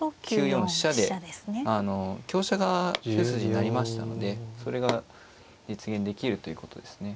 ９四飛車であの香車が９筋に成りましたのでそれが実現できるということですね。